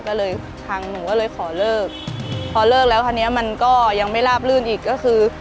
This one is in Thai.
ก็เลยทางหนูก็เลยขอเลิกพอเลิกแล้วคราวนี้มันก็ยังไม่ลาบลื่นอีกก็คือ